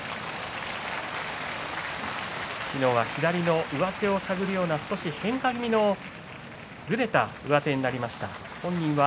昨日は左の上手を手繰るような変化気味のずれか上手になりました。